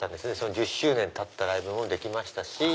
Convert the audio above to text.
１０周年のライブもできましたし。